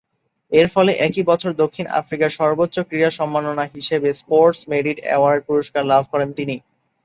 এরফলে একই বছর দক্ষিণ আফ্রিকার সর্বোচ্চ ক্রীড়া সম্মাননা হিসেবে স্পোর্টস মেরিট অ্যাওয়ার্ড পুরস্কার লাভ করেন তিনি।